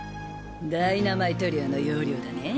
ダイナマイト漁の要領だねぇ。